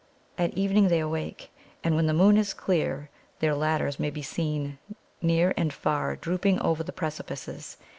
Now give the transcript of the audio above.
At evening they awake, and when the moon is clear their ladders may be seen near and far drooping over the precipices.